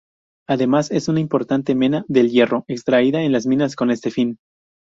Además es una importante mena del hierro, extraída en las minas con este fin.